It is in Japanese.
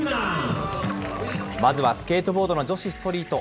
まずはスケートボードの女子ストリート。